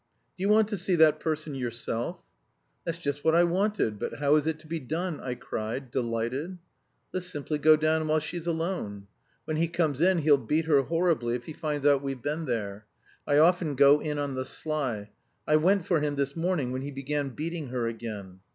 "Do you want to see that person yourself?" "That's just what I wanted, but how is it to be done?" I cried, delighted. "Let's simply go down while she's alone. When he comes in he'll beat her horribly if he finds out we've been there. I often go in on the sly. I went for him this morning when he began beating her again."